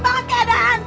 risik banget keadaan tuh